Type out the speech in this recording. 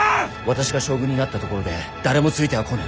私が将軍になったところで誰もついてはこぬ。